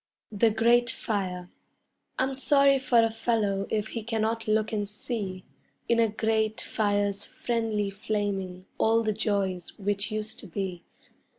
THE GRATE FIRE I'm sorry for a fellow if he cannot look and see In a grate fire's friendly flaming all the joys which used to be.